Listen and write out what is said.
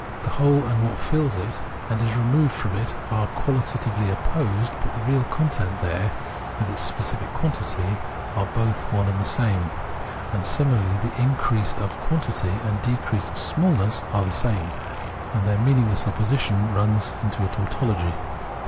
The hole and what fills it and is removed from it are qualitatively opposed, but the real content there and its specific quantity are in both one and the same, and similarly the increase of quantity and decrease of small ness are the same, and their meaningless opposition runs into a tautology.